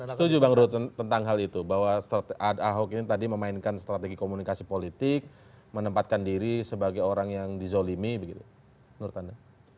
setuju bang ruhut tentang hal itu bahwa ahok ini tadi memainkan strategi komunikasi politik menempatkan diri sebagai orang yang dizolimi begitu menurut anda